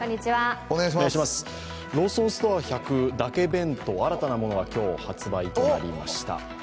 ローソンストア１００、だけ弁当新たなものが今日、発売となりました。